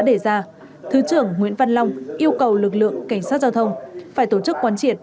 đề ra thứ trưởng nguyễn văn long yêu cầu lực lượng cảnh sát giao thông phải tổ chức quán triệt